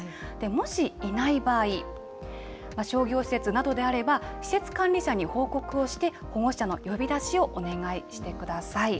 もしいない場合、商業施設などであれば、施設管理者に報告をして、保護者の呼び出しをお願いしてください。